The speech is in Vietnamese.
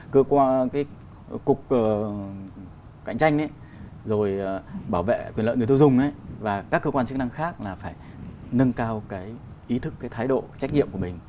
cơ quan cục cạnh tranh rồi bảo vệ quyền lợi người tiêu dùng và các cơ quan chức năng khác là phải nâng cao cái ý thức cái thái độ trách nhiệm của mình